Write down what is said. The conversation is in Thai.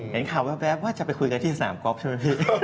เห็นข่าวแว๊บว่าจะไปคุยกันที่สนามก๊อฟใช่ไหมพี่